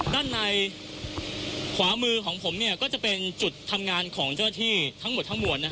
ด้านในขวามือของผมก็จะเป็นจุดทำงานของเจ้าหน้าที่ทั้งหมดทั้งมวล